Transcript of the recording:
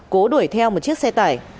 cố đuổi theo một chiếc xe tải